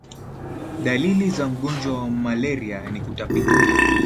dalili za mgonjwa wa malaria ni kutapika